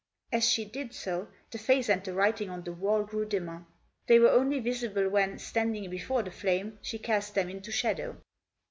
As she did so, the face and the Digitized by 96 THE JOSS. writing on the wall grew dimmer. They were only visible when, standing before the flame, she cast them into shadow.